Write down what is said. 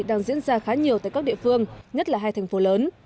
đang diễn ra khá nhiều tại các địa phương nhất là hai thành phố lớn